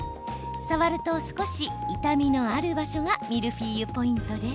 触ると少し痛みのある場所がミルフィーユポイントです。